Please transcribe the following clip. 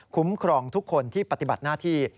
ครองทุกคนที่ปฏิบัติหน้าที่